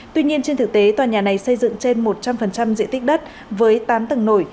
tuy nhiên trên thực tế tòa nhà này xây dựng trên một trăm linh diện tích đất với tám tầng nổi